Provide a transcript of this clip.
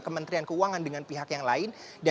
kementerian keuangan dengan pihak kementerian keuangan